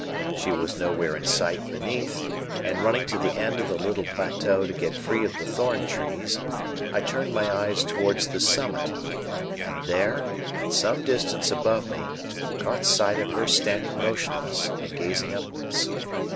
She was nowhere in sight beneath, and running to the end of the little plateau to get free of the thorn trees, I turned my eyes towards the summit, and there, at some distance above me, caught sight of her standing motionless and gazing upwards.